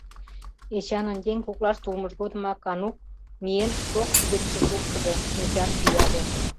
Эчанын еҥ коклаште улмыж годымак Анук, миен, шокш гычше шупшыльо, шинчам пӱяле.